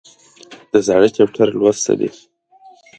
د زاړه چپټر لوسته دي